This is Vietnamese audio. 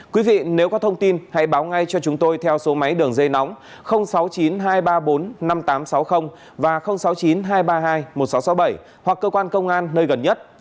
quý vị nếu có thông tin hãy báo ngay cho chúng tôi theo số máy đường dây nóng sáu mươi chín hai trăm ba mươi bốn năm nghìn tám trăm sáu mươi và sáu mươi chín hai trăm ba mươi hai một nghìn sáu trăm sáu mươi bảy hoặc cơ quan công an nơi gần nhất